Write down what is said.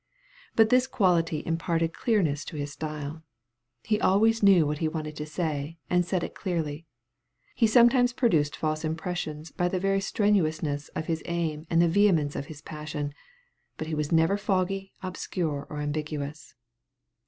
But this quality imparted clearness to his style. He always knew what he wanted to say and said it clearly. He sometimes produced false impressions by the very strenuousness of his aim and the vehemence of his passion; but he was never foggy, obscure, or ambiguous.